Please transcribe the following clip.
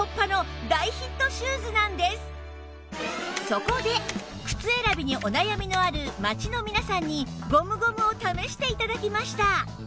そこで靴選びにお悩みのある街の皆さんにゴムゴムを試して頂きました